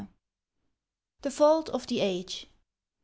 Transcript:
THE FAULT OF THE AGE.